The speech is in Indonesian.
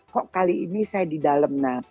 jadi saya di dalam